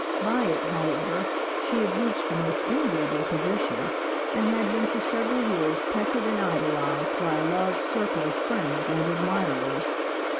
By it, however, she had reached a most enviable position, and had been for several years petted and idolized by a large circle of friends and admirers.